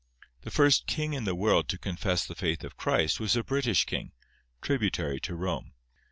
The first king in the world to confess the faith of Christ was a British king, tributary to Rome.